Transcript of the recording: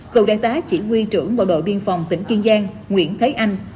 cầu đại tá chỉ huy trưởng bộ đội biên phòng tỉnh kiên giang nguyễn thấy anh